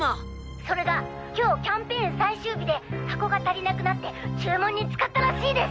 それが今日キャンペーン最終日で箱が足りなくなって注文に使ったらしいです。